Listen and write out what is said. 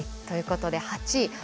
ということで８位。